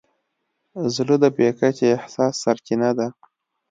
زړه د بې کچې احساس سرچینه ده.